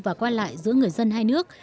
và quan lại giữa người dân hai nước